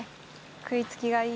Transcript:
食い付きがいい。